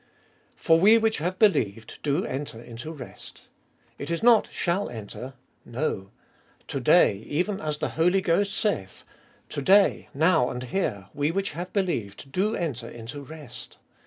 For we which have believed do enter into rest. It is not, shall enter. No. To day, even as the Holy Ghost saith, " To day," now and here, we which have believed do enter into rest.